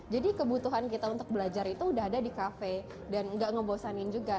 jadi kebutuhan kita untuk belajar itu sudah ada di kafe dan tidak membosankan juga